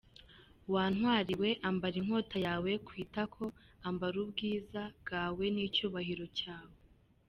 Wa ntwari we, ambara inkota yawe ku itako, Ambara ubwiza bwawe n’icyubahiro cyawe.